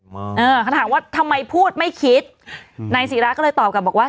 มาเร็วเออถามว่าทำไมพูดไม่คิดอืมนายศรีรัตน์ก็เลยตอบกับบอกว่า